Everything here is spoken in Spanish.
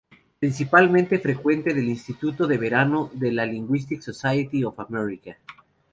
Participante frecuente del Instituto de Verano de la Linguistic Society of America.